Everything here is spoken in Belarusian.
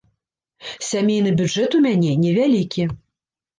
Сямейны бюджэт у мяне невялікі.